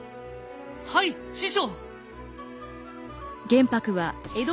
はい師匠！